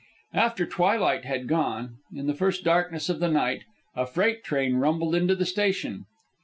After twilight had gone, in the first darkness of the night, a freight train rumbled into the station.